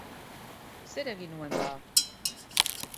Zer egin nuen ba?